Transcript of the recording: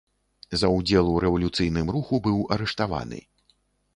За ўдзел у рэвалюцыйным руху быў арыштаваны.